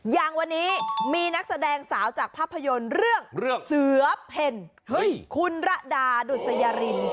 อย่างวันนี้มีนักแสดงสาวจากภาพยนตร์เรื่องเสือเพ่นคุณระดาดุษยาริน